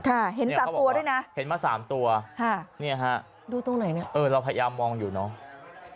ค่ะเห็น๓ตัวด้วยนะเห็นมา๓ตัวนี่ค่ะดูตรงไหนเนี่ยเออเราพยายามมองอยู่เนาะ